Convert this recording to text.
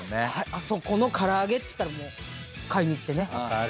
あそこの唐揚げっつったら買いに行ってね。